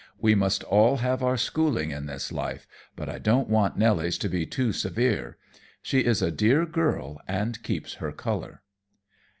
We must all have our schooling in this life, but I don't want Nelly's to be too severe. She is a dear girl, and keeps her color."